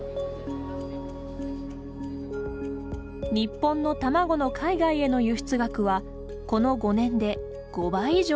日本の卵の海外への輸出額はこの５年で５倍以上に増加。